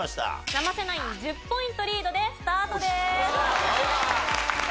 生瀬ナイン１０ポイントリードでスタートです！